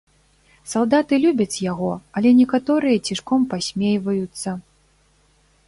Салдаты любяць яго, але некаторыя цішком пасмейваюцца.